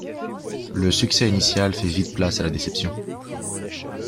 Le succès initial fait vite place à la déception.